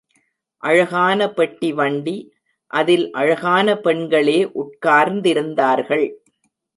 அழகான பெட்டி வண்டி, அதில் அழகான பெண்களே உட்கார்ந்திருந்தார்கள்.